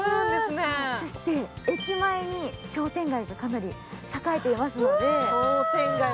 そして、駅前に商店街がかなり栄えていますので。